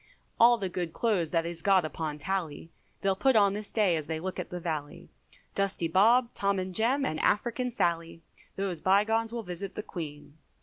All the good clothes that is got upon tally, They'll put on this day as they look at the valley, Dusty Bob, Tom, and Jem, and African Sally, These bye gones will visit the Queen.